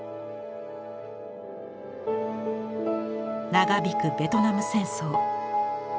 長引くベトナム戦争。